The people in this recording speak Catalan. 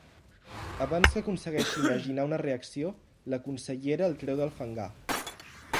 Abans que aconsegueixi imaginar una reacció, la consellera el treu del fangar.